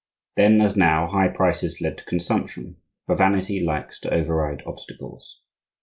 Then, as now, high prices led to consumption; for vanity likes to override obstacles.